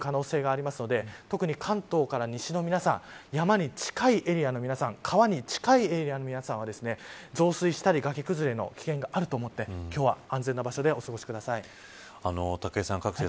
１カ月分ぐらいの雨量が降る可能性があるので特に関東から西の皆さん山に近いエリアの皆さん川に近いエリアの皆さんは増水したり崖崩れの危険があると思って今日は安全な場所でお過ごしください。